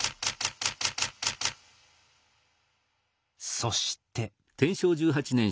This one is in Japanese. そして。